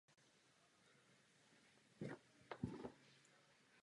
Friedman a jeho kolegyně Anna Schwartz napsali knihu Měnová historie Spojených Států.